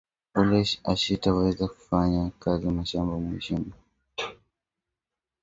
Ule ashita weza kufanya kaji ya mashamba mushi mupe byakuria